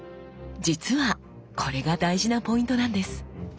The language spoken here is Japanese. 実はこれが大事なポイントなんです。